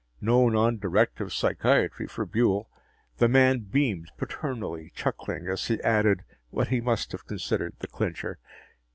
No non directive psychiatry for Buehl. The man beamed paternally, chuckling as he added what he must have considered the clincher.